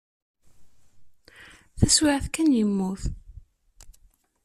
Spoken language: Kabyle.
Taswiɛt kan yemmut.